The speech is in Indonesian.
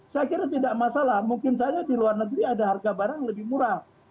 saya kira tidak masalah mungkin saja di luar negeri ada harga barang lebih murah